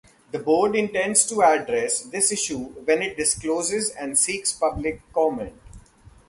The Board intends to address this issue when it discloses and seeks public comment